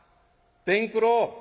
伝九郎